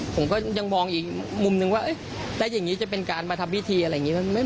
ผมก็ยังมองอีกมุมนึงว่าแล้วอย่างนี้จะเป็นการมาทำพิธีอะไรอย่างนี้